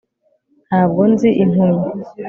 ntabwo nzi impumyi